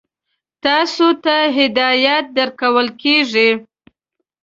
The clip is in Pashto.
تاسو ته هدایت درکول کېږي.